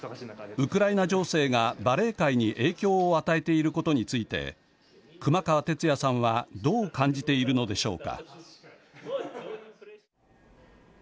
ウクライナ情勢がバレエ界に影響を与えていることについて熊川哲也さんはどう感じているのでしょうか。